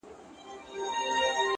• د خوشحال خان د مرغلرو قدر څه پیژني,